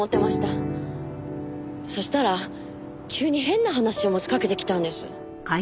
そしたら急に変な話を持ちかけてきたんです。